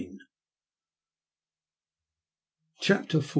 CHAPTER IV.